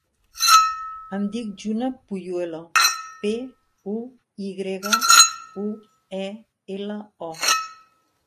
Em dic Juna Puyuelo: pe, u, i grega, u, e, ela, o.